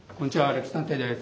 「歴史探偵」です。